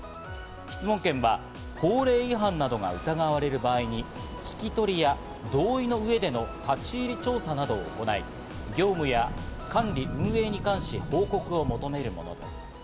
質問権は、法令違反などの疑われる場合に聞き取りや同意の上での立ち入り調査などを行い、業務や危機管理、管理・運営に関し、報告を求めるものです。